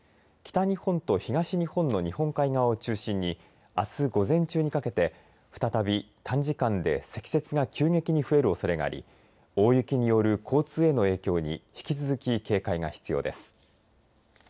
北日本と東日本の日本海側を中心にあす午前中にかけてふたたび短時間で積雪が急激に増えるおそれがあり大雪による交通への影響に引き続き警戒が必要です。